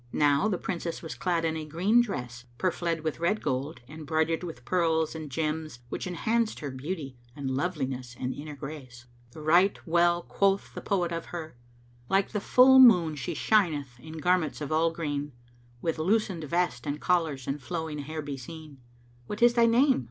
Now the Princess was clad in a green dress, purfled with red gold and broidered with pearls and gems which enhanced her beauty and loveliness and inner grace; and right well quoth the poet of her,[FN#523] "Like the full moon she shineth in garments all of green, With loosened vest and collars and flowing hair beseen. 'What is thy name?'